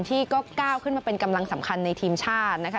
ที่ก็ก้าวขึ้นมาเป็นกำลังสำคัญในทีมชาตินะคะ